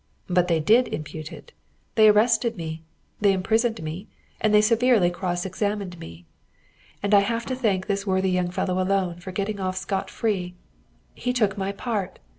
But they did impute it! They arrested me, they imprisoned me, and they severely cross examined me. And I have to thank this worthy young fellow alone for getting off scot free. He took my part.